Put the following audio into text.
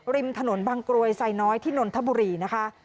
ริมถนนบางกรวยไซน้อยที่นนทบุรีนะคะ